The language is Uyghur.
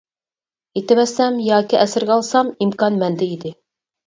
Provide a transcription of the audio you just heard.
ئېتىۋەتسەم ياكى ئەسىرگە ئالسام ئىمكان مەندە ئىدى.